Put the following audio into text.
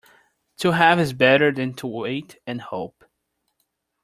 To have is better than to wait and hope.